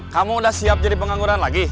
kamu udah siap jadi pengangguran lagi